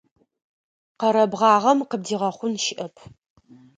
Къэрэбгъагъэм къыбдигъэхъун щыӏэп.